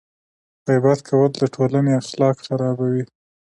غیبت کول د ټولنې اخلاق خرابوي.